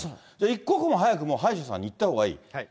一刻も早くもう、歯医者さんに行ったほうがいい。